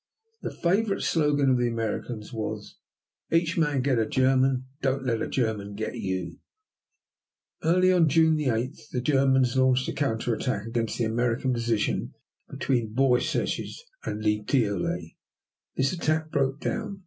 The favorite slogan of the Americans was: "Each man get a German; don't let a German get you." Early on June 8 the Germans launched a counter attack against the American position between Bouresches and Le Thiolet. This attack broke down.